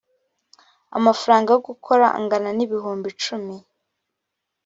amafaranga yo gukora angana n ibihumbi icumi